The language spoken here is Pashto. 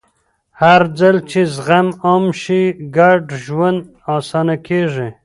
هرځل چې زغم عام شي، ګډ ژوند اسانه کېږي.